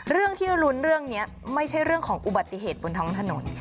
เรื่องที่ลุ้นเรื่องนี้ไม่ใช่เรื่องของอุบัติเหตุบนท้องถนน